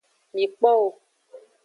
Mi kpo wo.